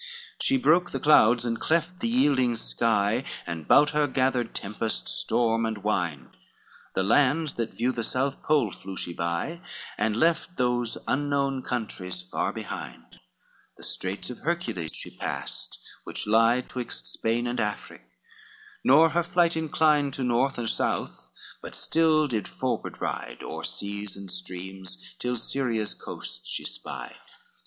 LXX She broke the clouds, and cleft the yielding sky, And bout her gathered tempest, storm and wind, The lands that view the south pole flew she by, And left those unknown countries far behind, The Straits of Hercules she passed, which lie Twixt Spain and Afric, nor her flight inclined To north or south, but still did forward ride O'er seas and streams, till Syria's coasts she spied.